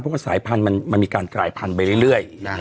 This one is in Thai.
เพราะว่าสายพันธุ์มันมีการกลายพันธุ์ไปเรื่อย